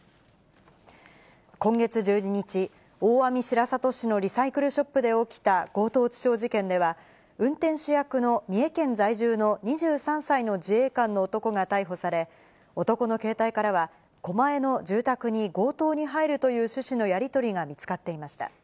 今月１２日、大網白里市のリサイクルショップで起きた強盗致傷事件では、運転手役の三重県在住の２３歳の自衛官の男が逮捕され、男の携帯からは、狛江の住宅に強盗に入るという趣旨のやり取りが見つかっていました。